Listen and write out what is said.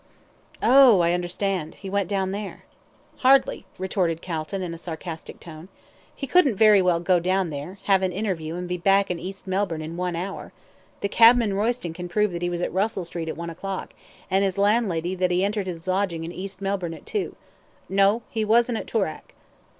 "Oh! I understand; he went down there." "Hardly," retorted Calton, in a sarcastic tone. "He couldn't very well go down there, have an interview, and be back in East Melbourne in one hour the cabman Royston can prove that he was at Russell Street at one o'clock, and his landlady that he entered his lodging in East Melbourne at two no, he wasn't at Toorak."